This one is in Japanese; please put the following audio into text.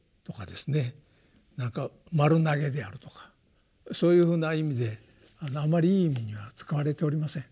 なんか丸投げであるとかそういうふうな意味であんまりいい意味には使われておりません。